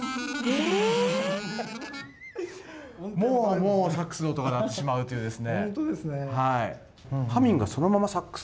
もうサックスの音が鳴ってしまうんですよね。